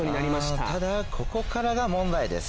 ただここからが問題です。